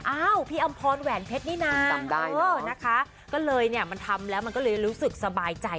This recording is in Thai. อ้าวพี่อำพรแหวนเพชรนี่นะนะคะก็เลยเนี่ยมันทำแล้วมันก็เลยรู้สึกสบายใจ